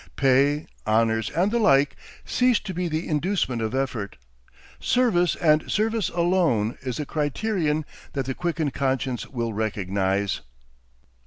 Pay, honours, and the like cease to be the inducement of effort. Service, and service alone, is the criterion that the quickened conscience will recognise.